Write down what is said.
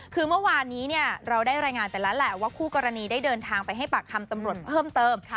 คือเมื่อวานนี้เราได้รายงานไปแล้วแหละว่าคู่กรณีได้เดินทางไปให้ปากคำตำรวจเพิ่มเติม